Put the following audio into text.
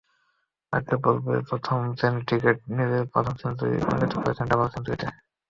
আগের পর্বেই প্রথম শ্রেণির ক্রিকেটের নিজের প্রথম সেঞ্চুরিটাকে পরিণত করেছেন ডাবল সেঞ্চুরিতে।